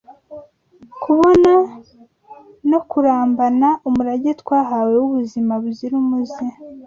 kubona no kurambana umurage twahawe w’ubuzima buzira umuze